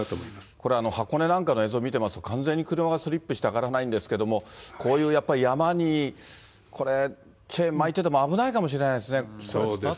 これ、箱根なんかの映像見てますと、完全に車がスリップして上がらないんですけど、こういうやっぱり山に、チェーン巻いてても危ないかもしれませんね。